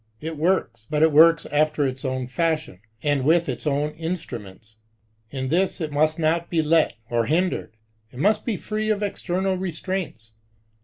It works, but it works after its own fashion, and with its own. instruments. In this it must not be let or hindered. It must be free of external restraints.